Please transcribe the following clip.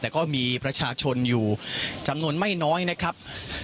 แต่ก็มีประชาชนอยู่จำนวนไม่น้อยนะครับ